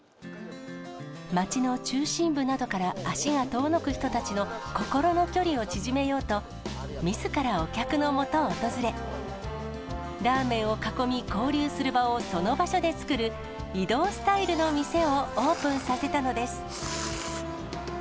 町の中心部などから足が遠のく人たちの心の距離を縮めようと、みずからお客のもとを訪れ、ラーメンを囲み、交流する場をその場所で作る移動スタイルの店をオープンさせたのです。